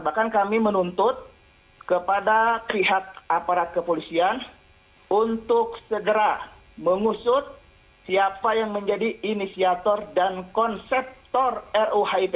bahkan kami menuntut kepada pihak aparat kepolisian untuk segera mengusut siapa yang menjadi inisiator dan konseptor ruhip